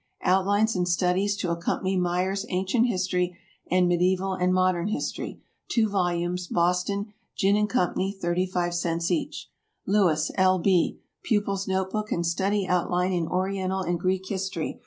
"Outlines and Studies to Accompany Myers' Ancient History, and Medieval and Modern History," 2 volumes. Boston, Ginn & Co. 35 cents each. LEWIS, L. B. "Pupil's Notebook and Study Outline in Oriental and Greek History."